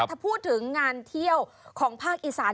ถ้าพูดถึงงานเที่ยวของภาคอีสาน